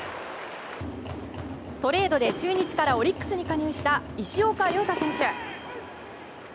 トレードで中日からオリックスに加入した石岡諒太選手。